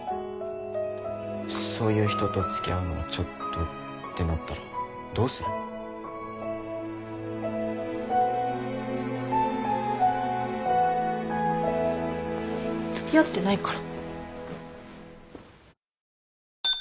そういう人と付き合うのはちょっとってなったらどうする？付き合ってないから。